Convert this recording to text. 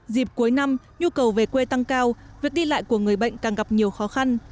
dịp cuối năm nhu cầu về quê tăng cao việc đi lại của người bệnh càng gặp nhiều khó khăn